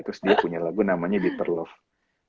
terus dia punya lagu namanya better love